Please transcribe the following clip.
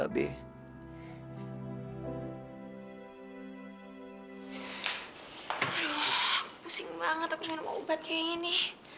aduh pusing banget aku selalu mau obat kayak gini